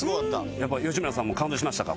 やっぱ吉村さんも感動しましたか？